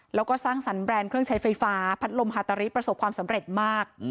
แล้วก็สร้างสรรค์แบรนด์เครื่องใช้ไฟฟ้าพัดลมฮาตาริประสบความสำเร็จมาก